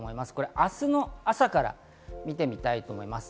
明日の朝から見てみたいと思います。